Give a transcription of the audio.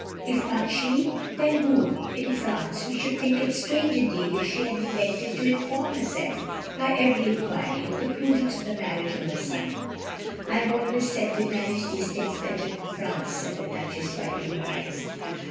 If not she, then who? In France, we should think it strange indeed if she had neglected to inform herself, by every e'nquiry, of the prudence of the marriage of her son." " I have always said they manage these things better in France," said the Duchess, wiping her eyes.